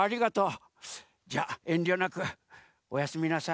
じゃあえんりょなくおやすみなさい。